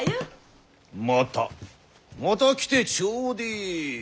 またまた来てちょでえ。